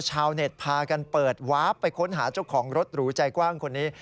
ชาวเน็ตพากันเปิดวาร์ฟไปค้นหาเจ้าของรถหรูใจกว้างคนนี้